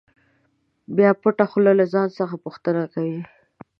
بیا پټه خوله له ځان څخه پوښتنه کوي.